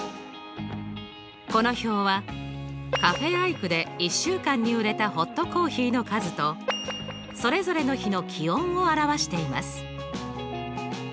この表はカフェ・アイクで１週間に売れたホットコーヒーの数とそれぞれの日の気温を表しています。